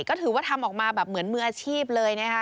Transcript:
ก็ถือว่าทำออกมาแบบเหมือนมืออาชีพเลยนะคะ